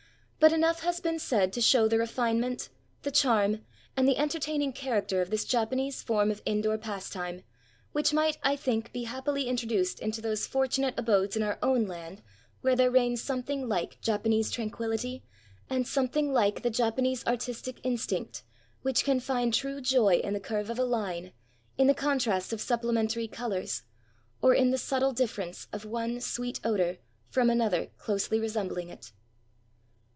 But enough has been said to show the refinement, the charm, and the entertaining character of this Japanese form of indoor pastime, which might, I think, be happily intro duced into those fortunate abodes in our own land where there reigns something like Japanese tranquillity and something Uke the Japanese artistic instinct which can find true joy in the curve of a line, in the contrast of supplementary colors, or in the subtle difference of one sweet odor from another closely resembling it.